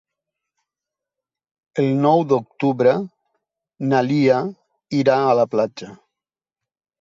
El nou d'octubre na Lia irà a la platja.